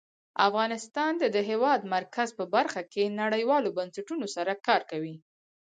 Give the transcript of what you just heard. افغانستان د د هېواد مرکز په برخه کې نړیوالو بنسټونو سره کار کوي.